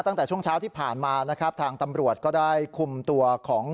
ตั้งแต่ช่วงเช้าที่ผ่านมานะครับทางตำรวจก็ได้คุมตัวของ